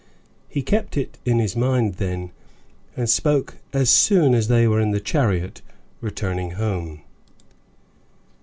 He kept it in his mind then, and spoke as soon as they were in the chariot returning home.